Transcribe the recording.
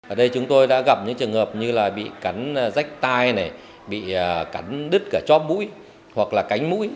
ở đây chúng tôi đã gặp những trường hợp như là bị cắn rách tai này bị cắn đứt cả chóp mũi hoặc là cánh mũi